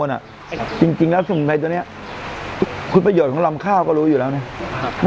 หมูผมออกบนอะประโยชน์ของลำข้าก็รู้ละเนี่ย